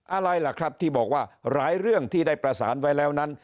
อะไรล่ะครับที่บอกว่าหลายเรื่องที่ได้ประสานไว้แล้วนั้น